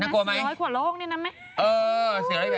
น่ากลัวไหม๔๐๐ขวดโรคเนี่ยนะแม่